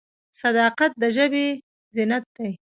صداقت د ژبې زینت دی.